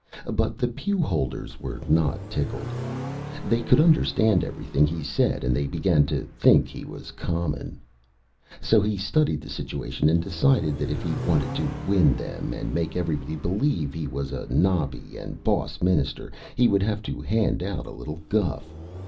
But the Pew Holders were not tickled. They could Understand everything he said, and they began to think he was Common. So he studied the Situation and decided that if he wanted to Win them and make everybody believe he was a Nobby and Boss Minister he would have to hand out a little Guff.